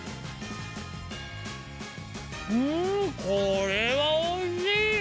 うんこれはおいしいよ！